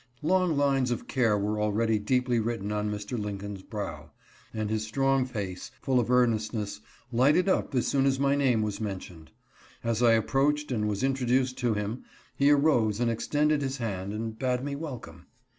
Long lines of care were already deeply written on Mr. Lincoln's brow, and his strong face, full of earnestness, lighted up as soon as my name was men tioned. As I approached and was introduced to him he arose and extended his hand, and bade me welcome.